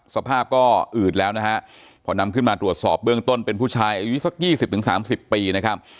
สภาพก็อืดแล้วนะฮะพอนำขึ้นมาตรวจสอบเบื้องต้นเป็นผู้ชายอายุสัก๒๐๓๐ปีนะครับ